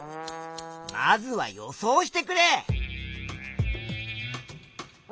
まずは予想してくれ。